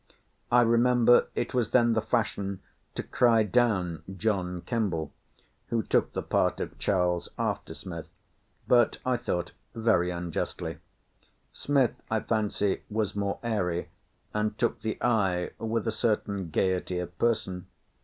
I remember it was then the fashion to cry down John Kemble, who took the part of Charles after Smith; but, I thought, very unjustly. Smith, I fancy, was more airy, and took the eye with a certain gaiety of person.